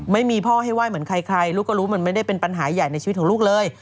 ไม่มีพ่อให้ไหว้เหมือนใครลูกก็รู้มันไม่ได้เป็นปัญหาใหญ่ในชีวิตของลูกเลย